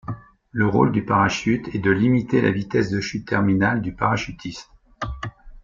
Le rôle du parachute est de limiter la vitesse de chute terminale du parachutiste.